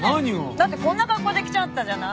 だってこんな格好で来ちゃったじゃない。